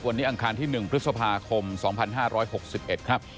วันนี้อังคารที่๑พฤษภาคม๒๕๖๑ครับ